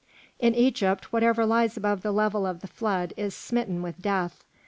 In Egypt, whatever lies above the level of the flood is smitten with death.